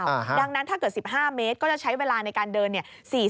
ดังนั้นถ้าเกิด๑๕เมตรก็จะใช้เวลาในการเดินเนี่ย